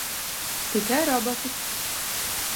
Tikai roboti.